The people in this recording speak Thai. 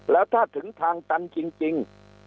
แล้วถ้าถึงทางตันจริง